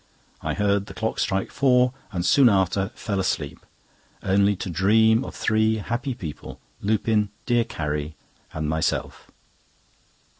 I heard the clock strike four, and soon after fell asleep, only to dream of three happy people—Lupin, dear Carrie, and myself.